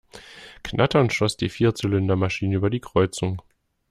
Knatternd schoss die Vierzylinder-Maschine über die Kreuzung.